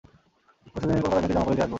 পরশুদিনই কলকাতার ব্যাঙ্কে জমা করে দিয়ে আসব।